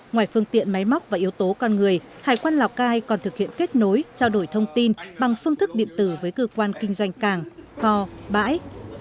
ngoài phương tiện máy móc và yếu tố con người hải quan lào cai còn thực hiện kết nối trao đổi thông tin bằng phương thức điện tử với cơ quan kinh doanh càng kho bãi